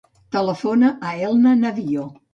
Telefona a l'Elna Navio.